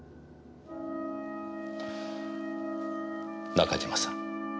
中島さん。